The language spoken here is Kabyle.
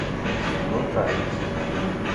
Sgunfant.